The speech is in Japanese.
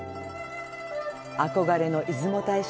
憧れの出雲大社